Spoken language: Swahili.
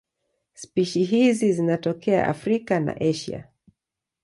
Spishi hizi zinatokea Afrika na Asia.